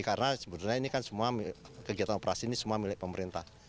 karena sebenarnya ini kan semua kegiatan operasi ini semua milik pemerintah